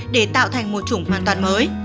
để tạo thành một chủng hoàn toàn mới